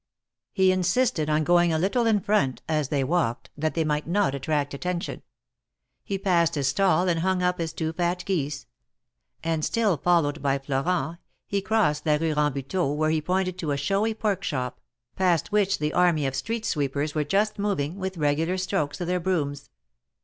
He insisted on going a little in front, as they walked, that they might not attract attention. He passed his stall and hung up his two fat geese ; and still followed by Florent, he crossed la Rue Rambuteau, where he pointed to a showy pork shop, past which the army of street sweepers were just moving, with regular strokes of their brooms.